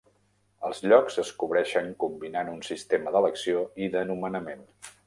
Els llocs es cobreixen combinant un sistema d'elecció i de nomenament.